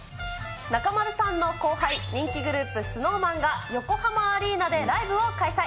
中丸さんの後輩、人気グループ、ＳｎｏｗＭａｎが、横浜アリーナでライブを開催。